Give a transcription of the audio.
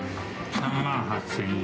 ３万８０００円。